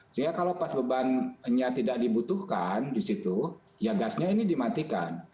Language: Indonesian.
sehingga kalau pas bebannya tidak dibutuhkan di situ ya gasnya ini dimatikan